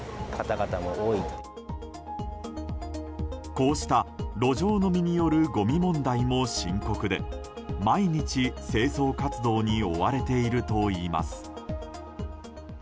こうした路上飲みによるごみ問題も深刻で毎日、清掃活動に追われているといいます。